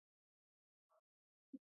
هغه له کوچنیوالي د لیکوال کیدو خوب لیده.